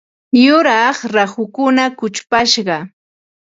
Yuraq rahukuna kuchupashqa.